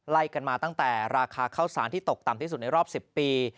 ไล่กันมาตั้งแต่ราคาข้าวสารที่ตกต่ำที่สุดในรอบ๑๐ปี